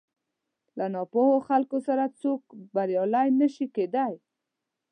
له ناپوهو خلکو سره هېڅ څوک بريالی نه شي کېدلی.